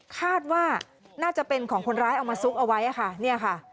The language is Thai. คาดว่าน่าจะเป็นของคนร้ายเอามาซุกเอาไว้